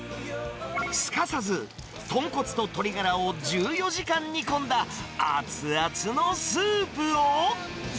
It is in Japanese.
すかさず、豚骨と鶏がらを１４時間煮込んだ熱々のスープを。